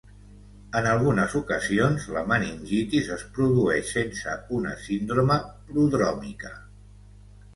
En algunes ocasions, la meningitis es produeix sense una síndrome prodròmica.